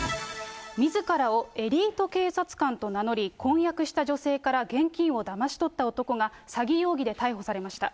みずからをエリート警察官と名乗り、婚約した女性から現金をだまし取った男が、詐欺容疑で逮捕されました。